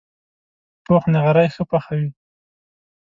پوخ نغری ښه پخوي